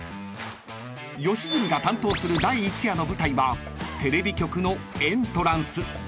［吉住が担当する第一夜の舞台はテレビ局のエントランス］